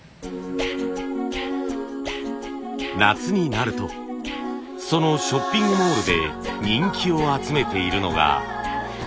夏になるとそのショッピングモールで人気を集めているのが。